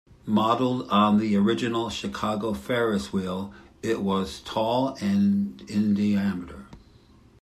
Modelled on the original Chicago Ferris Wheel, it was tall and in diameter.